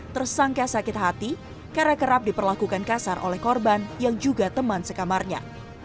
tersangka sakit hati karena kerap diperlakukan kasar oleh korban yang juga teman sekamarnya